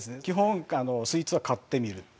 基本スイーツは買ってみる。